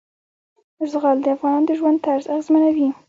زغال د افغانانو د ژوند طرز اغېزمنوي.